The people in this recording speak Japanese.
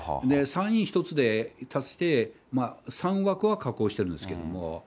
参議院１つで、足して、３枠は確保してるんですけど。